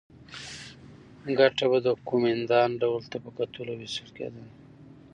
ګټه به د کومېندا ډول ته په کتو وېشل کېده